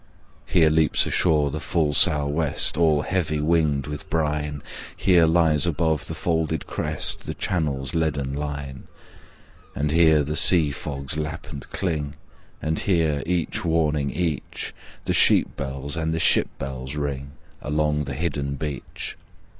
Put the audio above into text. Here leaps ashore the full Sou'west All heavy winged with brine, Here lies above the folded crest The Channel's leaden line, And here the sea fogs lap and cling, And here, each warning each, The sheep bells and the ship bells ring Along the hidden beach.